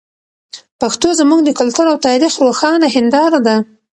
پښتو زموږ د کلتور او تاریخ روښانه هنداره ده.